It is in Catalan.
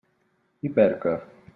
I per què?